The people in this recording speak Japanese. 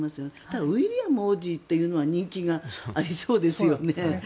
ただ、ウィリアム王子というのは人気がありそうですよね。